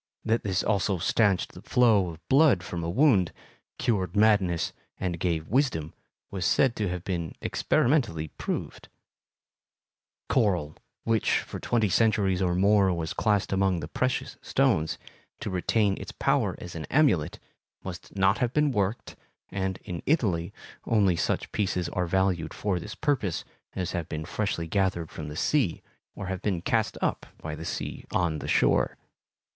That this also stanched the flow of blood from a wound, cured madness, and gave wisdom, was said to have been experimentally proved. [Illustration: KABYLE JEWELRY. Of Mediterranean coral and pearls. Field Museum, Chicago.] Coral, which, for twenty centuries or more was classed among the precious stones, to retain its power as an amulet, must not have been worked, and in Italy only such pieces are valued for this purpose as have been freshly gathered from the sea or have been cast up by the sea on the shore.